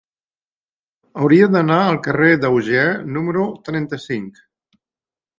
Hauria d'anar al carrer d'Auger número trenta-cinc.